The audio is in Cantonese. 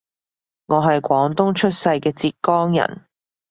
我係廣東出世嘅浙江人